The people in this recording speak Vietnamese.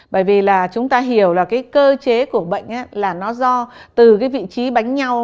bởi vì là chúng ta hiểu là cái cơ chế của bệnh là nó do từ cái vị trí bánh nhau